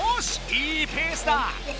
いいペースだ！